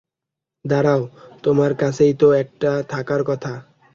দাঁড়াও, তোমার কাছেই তো একটা থাকার কথা।